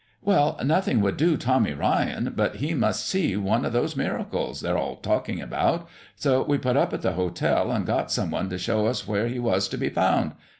"Well, nothing would do Tommy Ryan but he must see one of those miracles they're all talking about. So we put up at the hotel, and got some one to show us where He was to be found.